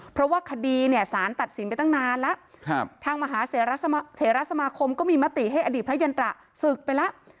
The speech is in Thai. เพราะว่าคดีเนี่ยสารตัดสินไปตั้งนานแล้วทางมหาเถระสมาคมก็มีมติให้อดีตพระยันตระศึกไปแล้ว